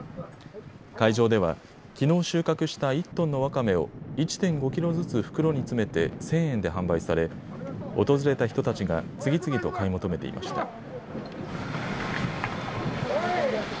会場ではきのう収穫した１トンのわかめを１．５キロずつ袋に詰めて１０００円で販売され訪れた人たちが次々と買い求めていました。